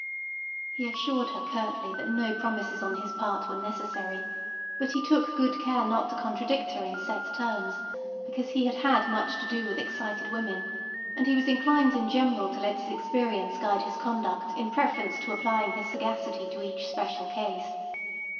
He assured her curtly that no promises on his part were necessary, but he took good care not to contradict her in set terms, because he had had much to do with excited women, and he was inclined in general to let his experience guide his conduct in preference to applying his sagacity to each special case.